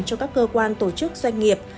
cho các cơ quan tổ chức doanh nghiệp